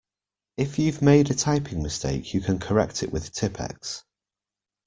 If you've made a typing mistake you can correct it with Tippex